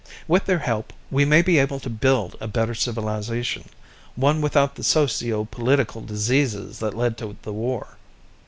With their help, we may be able to build a better civilization, one without the socio political diseases that led to the war.